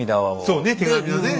そうだね。